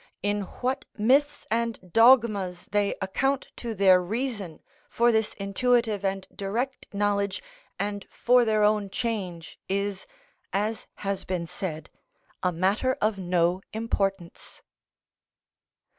In what myths and dogmas they account to their reason for this intuitive and direct knowledge and for their own change is, as has been said, a matter of no importance.